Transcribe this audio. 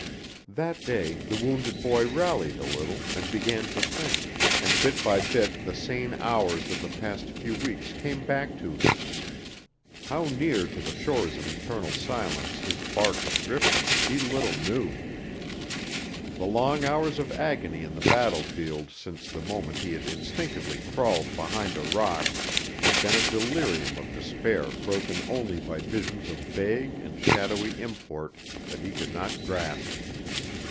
That day the wounded boy rallied a little and began to think, and bit by bit the sane hours of the past few weeks came back to him. How near to the shores of eternal silence his bark had drifted, he little knew! The long hours of agony on the battlefield since the moment he had instinctively crawled behind a rock had been a delirium of despair broken only by visions of vague and shadowy import that he could not grasp.